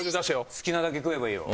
好きなだけ食えばいいよ。